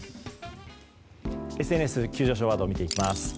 ＳＮＳ急上昇ワード見ていきます。